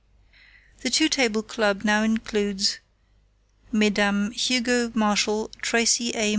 The two table club now includes: Mesdames Hugo Marshall, Tracey A.